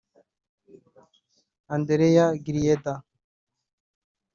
Andréa Grieder